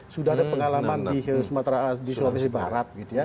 sudah ada pengalaman di sulawesi barat